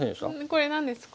これ何ですか？